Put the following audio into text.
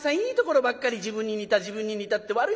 いいところばっかり自分に似た自分に似たって。